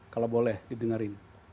kalau boleh didengarkan